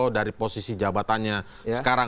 dari posisi jabatannya sekarang